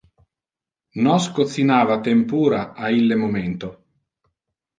Nos cocinava tempura a ille momento.